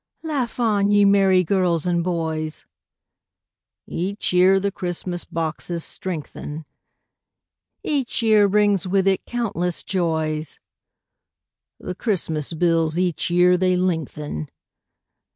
_) Laugh on, ye merry girls and boys! (Each year the Christmas boxes strengthen,) Each year brings with it countless joys; (_The Christmas bills each year they lengthen.